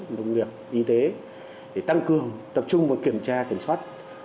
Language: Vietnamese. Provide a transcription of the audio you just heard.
nông nghiệp y tế để tăng cường tập trung và kiểm tra kiểm soát